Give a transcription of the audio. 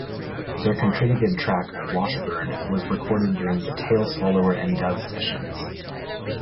Their contributed track "Washburn" was recorded during the "Tail Swallower and Dove" sessions.